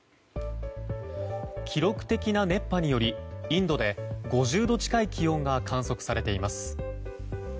記録的な熱波によりインドで５０度近い気温が観測されています。